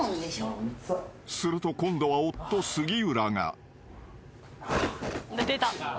［すると今度は夫杉浦が］